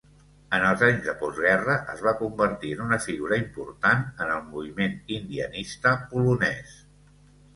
En els anys de postguerra, es va convertir en una figura important en el moviment "indianista" polonès.